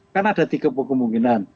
kan ada tiga kemungkinan